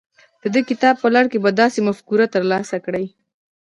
د دې کتاب په لړ کې به داسې مفکوره ترلاسه کړئ.